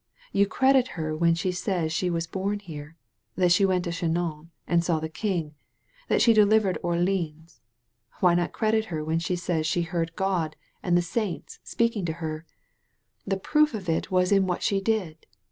You credit her when she says that she was bom here, that she went to Chinon and saw the king, that she delivered Or leans. Why not credit her when she says she heard 124 THE MAID OF FRANCE God and the saints speaking to her? The proof of it was in what she did.